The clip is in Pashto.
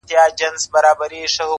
يوه ورځ بيا پوښتنه راپورته کيږي,